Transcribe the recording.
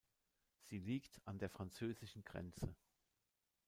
Sie liegt an der französischen Grenze.